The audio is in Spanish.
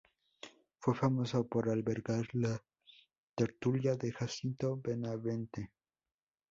Fue famoso por albergar la tertulia de Jacinto Benavente.